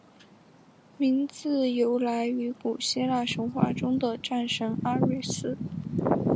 名字由来于古希腊神话中的战神阿瑞斯。